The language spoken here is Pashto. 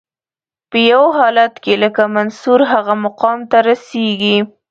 په یو حالت کې لکه منصور هغه مقام ته رسیږي.